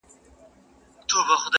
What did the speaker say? • هفتې وورسته خپل نصیب ته ورتسلیم سو -